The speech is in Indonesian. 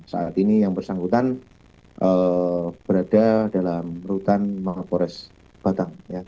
saat ini yang bersangkutan berada dalam rutan mapolres batang